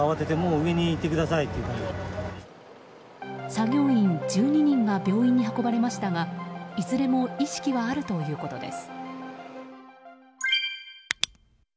作業員１２人が病院に運ばれましたがいずれも意識はあるということです。